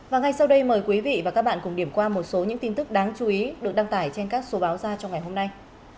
và ngay sau đây mời quý vị và các bạn cùng điểm qua một số những tin tức đáng chú ý được đăng tải trên các số báo ra trong ngày hôm nay